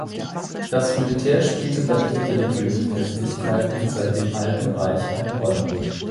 Das Militär spielte bei diesen religiösen Festlichkeiten, seit dem Alten Reich eine Rolle.